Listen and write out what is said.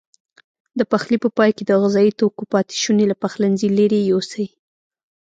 د پخلي په پای کې د غذايي توکو پاتې شونې له پخلنځي لیرې یوسئ.